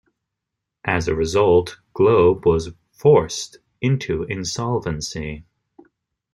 As a result Globe was forced into insolvency.